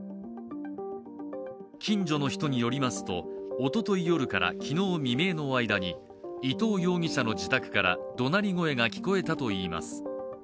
近所の人によりますと、おととい夜から昨日未明の間に、伊藤容疑者の自宅からどなり声が聞こえたといいます。